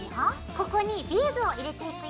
ここにビーズを入れていくよ。